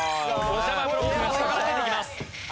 おじゃまブロックが下から出てきます。